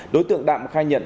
đối tượng đạm khai nhận